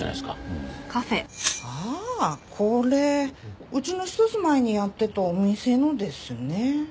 ああこれうちの一つ前にやってたお店のですね。